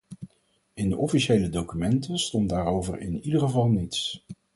In de officiële documenten stond daarover in ieder geval niets.